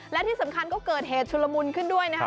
และที่สำคัญก็เกิดเหตุชุลมุนขึ้นด้วยนะครับ